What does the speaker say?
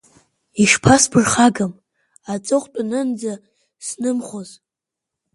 Ишԥасԥырхагам, аҵыхәтәанынӡаснымхоз!